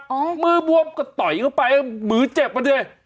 มือบวมก็ต่อยเข้าไปมือเจ็บมาดิ